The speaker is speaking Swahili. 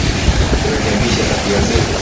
Turekebishe tabia zetu